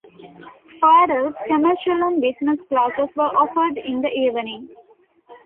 For adults, commercial and business classes were offered in the evenings.